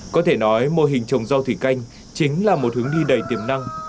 có thể nói mô hình trồng rau thủy canh chính là một hướng đi đầy tiềm năng